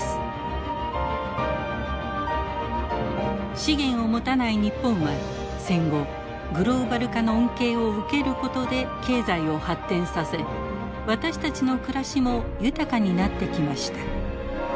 資源を持たない日本は戦後グローバル化の恩恵を受けることで経済を発展させ私たちの暮らしも豊かになってきました。